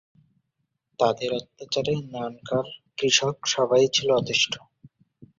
তাদের অত্যাচারে নানকার, কৃষক সবাই ছিল অতিষ্ঠ।